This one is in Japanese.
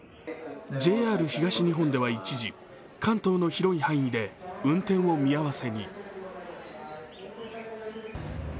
ＪＲ東日本では一時、関東の広い範囲で運転見合わせに。